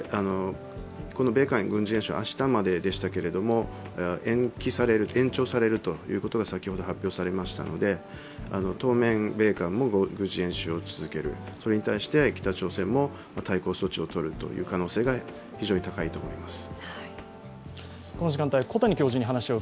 米韓軍事演習、明日まででしたけれども延期されることが先ほど発表されましたので当面、米韓も軍事演習を続ける、それに対して北朝鮮も対抗措置をとるという可能性が非常に高いと思います。